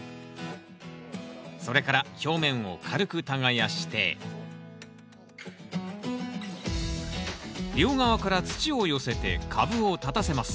それから表面を軽く耕して両側から土を寄せて株を立たせます